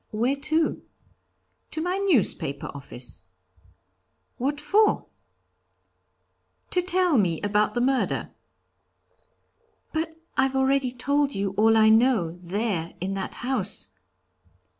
'Where to?' 'To my newspaper office.' 'What for?' 'To tell me about the murder.' 'But I've already told all I know, there, in that house.'